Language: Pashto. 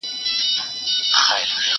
ليکلي پاڼي د زده کوونکي له خوا ترتيب کيږي